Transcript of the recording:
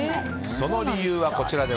その理由は。